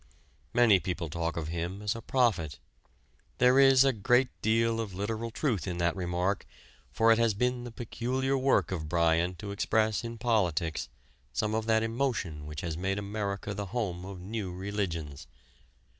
Many people talk of him as a prophet. There is a great deal of literal truth in that remark, for it has been the peculiar work of Bryan to express in politics some of that emotion which has made America the home of new religions.